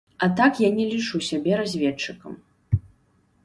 А так я не лічу сябе разведчыкам!